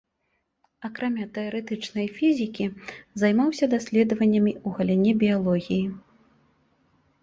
Акрамя тэарэтычнай фізікі, займаўся даследаваннямі ў галіне біялогіі.